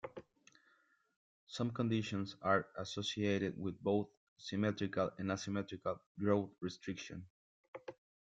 Some conditions are associated with both symmetrical and asymmetrical growth restriction.